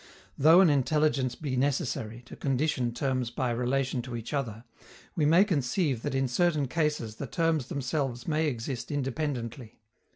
Though an intelligence be necessary to condition terms by relation to each other, we may conceive that in certain cases the terms themselves may exist independently.